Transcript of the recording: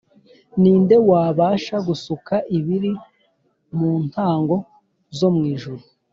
ninde wabasha gusuka ibiri mu ntango zo mu ijuru